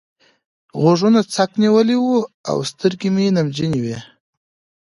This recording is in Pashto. غوږونه څک نيولي وو او سترګې مې نمجنې وې.